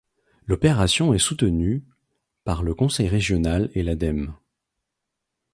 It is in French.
L’opération est soutenue par le conseil régional et l’Ademe.